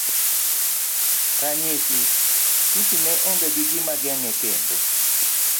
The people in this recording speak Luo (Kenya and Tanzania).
ranyisi. Siti ne onge gi gimageng'e kendo